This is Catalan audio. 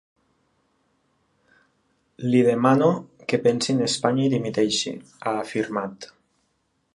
Li demano que pensi en Espanya i dimiteixi, ha afirmat.